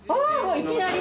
いきなり。